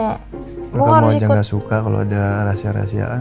kalau kamu aja gak suka kalau ada rahasia rahasiaan